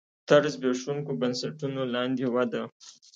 تر زبېښونکو بنسټونو لاندې وده.